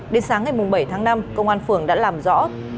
đến sáng ngày bảy tháng năm công an phường đã làm rõ